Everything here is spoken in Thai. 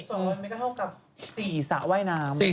ส่วนวันนี้ก็เท่ากับ๔สระว่ายน้ำ